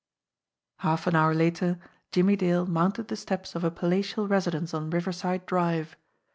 Half an hour later Jimmie Dale mounted the steps of a palatial residence on Riverside Drive.